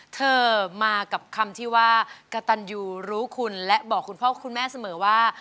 เธอมากับคำที่ว่ากระตันยูรู้คุณและบอกคุณพ่อคุณแม่เสมอว่า